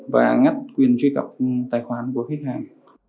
và ngắt quyền truy cập tài khoản của khách hàng